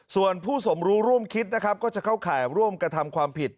ส่วนผู้สมรู้ร่วมคิดนะครับก็จะเข้าข่ายร่วมกระทำความผิด